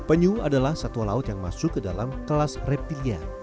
penyu adalah satwa laut yang masuk ke dalam kelas reptilia